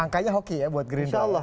angkanya hoki ya buat gerindra